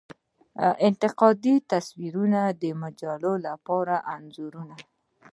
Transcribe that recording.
انتقادي تصویرونه د مجلو لپاره انځوروي.